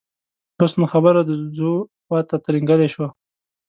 بس نو خبره د ځو خواته ترینګلې شوه.